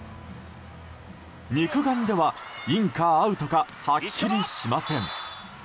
肉眼ではインかアウトかはっきりしません。